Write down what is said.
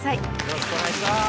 よろしくお願いします！